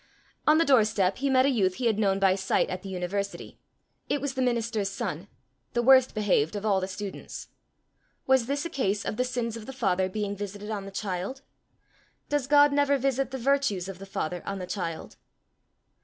On the doorstep he met a youth he had known by sight at the university: it was the minister's son the worst behaved of all the students. Was this a case of the sins of the father being visited on the child? Does God never visit the virtues of the father on the child?